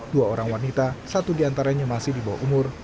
dua orang wanita satu diantaranya masih di bawah umur